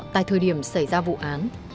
tại thời điểm xảy ra vụ án